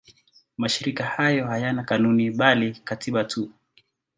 Mashirika hayo hayana kanuni bali katiba tu.